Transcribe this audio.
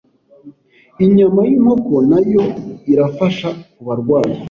Inyama y’inkoko nayo irafasha kubarwayi